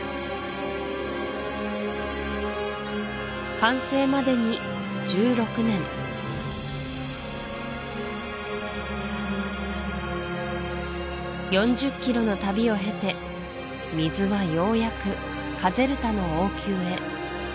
完成までに１６年４０キロの旅を経て水はようやくカゼルタの王宮へ水道は山の中の